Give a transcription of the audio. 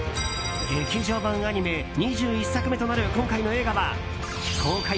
劇場版アニメ２１作目となる今回のアニメは公開